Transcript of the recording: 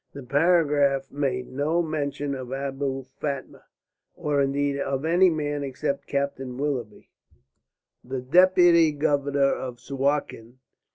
The paragraph made no mention of Abou Fatma, or indeed of any man except Captain Willoughby, the Deputy Governor of Suakin.